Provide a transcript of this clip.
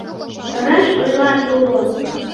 тореш ойла тудо.